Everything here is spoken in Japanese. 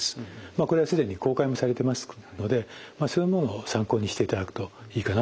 これは既に公開もされてますのでそういうものを参考にしていただくといいかなと思います。